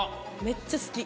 めっちゃ好き。